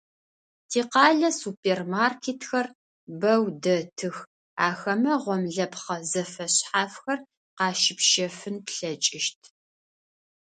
Тикъалэ супермаркетхэр бэу дэтых, ахэмэ гъомлэпхъэ зэфэшъхьафхэр къащыпщэфын плъэкӏыщт.